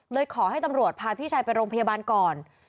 ขอให้ตำรวจพาพี่ชายไปโรงพยาบาลก่อน